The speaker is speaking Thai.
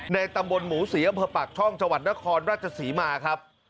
ในตำบลหมูศรีอภชนครราชศรีมาครับ